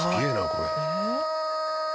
これ。